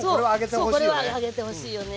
そうこれは揚げてほしいよね。